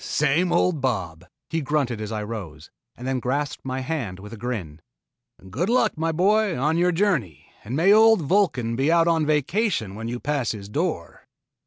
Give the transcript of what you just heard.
"Same old Bob," he grunted as I rose, and then he grasped my hand with a grin. "Good luck, my boy, on your journey, and may old Vulcan be out on a vacation when you pass his door."